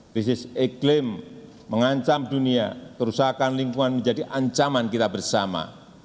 krisis iklim mengancam dunia kerusakan lingkungan menjadi ancaman kita bersama